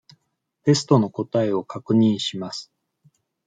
テストの答えを確認します。